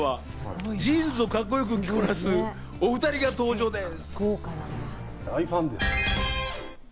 続いてはジーンズをカッコよく着こなす、お２人が登場です。